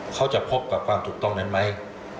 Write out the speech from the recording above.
เขาจะพบกับความถูกต้องนั้นไหม